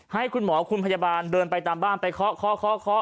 ให้คุณหมอคุณพยาบาลเดินไปตามบ้านไปเคาะ